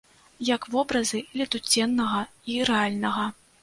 Як вобразы летуценнага і рэальнага.